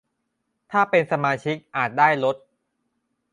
ถ้าเป็นสมาชิกอาจได้ลด